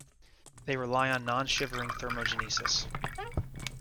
They rely on non-shivering thermogenesis.